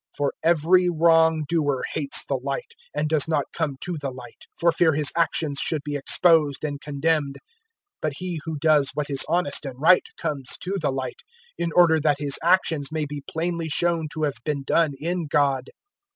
003:020 For every wrongdoer hates the light, and does not come to the light, for fear his actions should be exposed and condemned. 003:021 But he who does what is honest and right comes to the light, in order that his actions may be plainly shown to have been done in God.